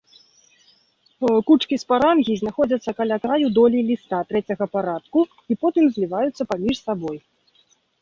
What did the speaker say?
Кучкі спарангій знаходзяцца каля краю долей ліста трэцяга парадку і потым зліваюцца паміж сабой.